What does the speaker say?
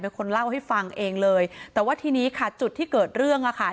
เป็นคนเล่าให้ฟังเองเลยแต่ว่าทีนี้ค่ะจุดที่เกิดเรื่องอ่ะค่ะ